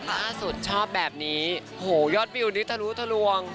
ถ้าสุดชอบแบบนี้โอ้โฮยอดวิวนี้ทะลุทะลวง